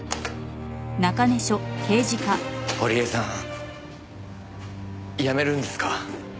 堀江さん辞めるんですか？